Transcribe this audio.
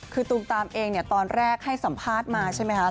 คือตูมตามเองเนี่ยตอนแรกให้สัมภาษณ์มาใช่ไหมคะ